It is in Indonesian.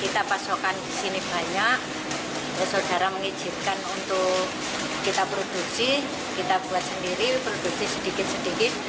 kita pasokan kesini banyak saudara mengizinkan untuk kita produksi kita buat sendiri produksi sedikit sedikit